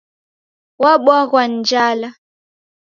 W'abw'aghw'a ni njala